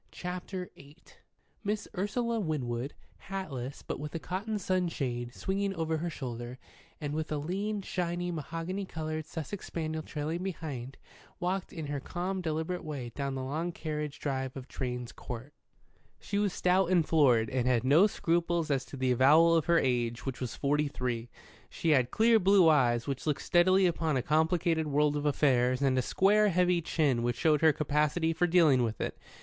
CHAPTER VIII MISS URSULA WINWOOD, hatless, but with a cotton sunshade swinging over her shoulder, and with a lean, shiny, mahogany coloured Sussex spaniel trailing behind, walked in her calm, deliberate way down the long carriage drive of Drane's Court. She was stout and florid, and had no scruples as to the avowal of her age, which was forty three. She had clear blue eyes which looked steadily upon a complicated world of affairs, and a square, heavy chin which showed her capacity for dealing with it.